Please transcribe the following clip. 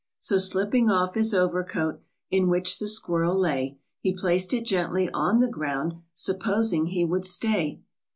So slipping off his over coat, In which the squirrel lay, He placed it gently on the ground, Supposing he would stay.